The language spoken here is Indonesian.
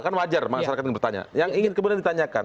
kan wajar masyarakat yang bertanya yang ingin kemudian ditanyakan